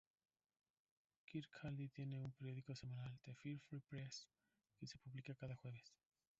Kirkcaldy tiene un periódico semanal, "The Fife Free Press", que se publica cada jueves.